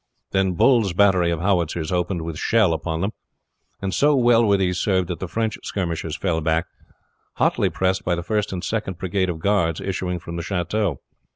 Then Bull's battery of howitzers opened with shell upon them; and so well were these served that the French skirmishers fell back, hotly pressed by the First and Second brigade of guards issuing from the chateau.